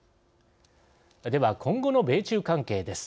では、今後の米中関係です。